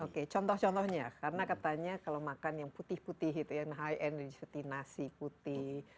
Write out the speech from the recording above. oke contoh contohnya karena katanya kalau makan yang putih putih itu yang high end seperti nasi putih